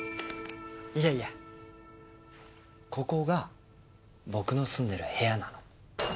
いやいやここが僕の住んでる部屋なの。